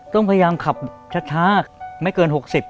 ต้องพยายามขับช้าไม่เกิน๖๐